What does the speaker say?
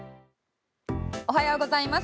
おはようございます。